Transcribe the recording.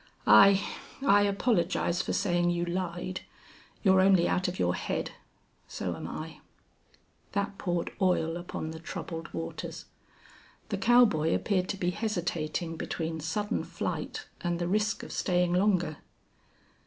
I I apologize for saying you lied. You're only out of your head. So am I." That poured oil upon the troubled waters. The cowboy appeared to be hesitating between sudden flight and the risk of staying longer.